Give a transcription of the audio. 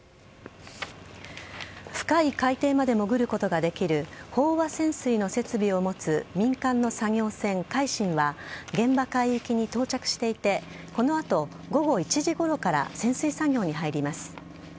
深い海底まで潜ることができる飽和潜水の設備を持つ民間の作業船「海進」は現場海域に到着していてこの後午後１時ごろから潜水作業に入ります。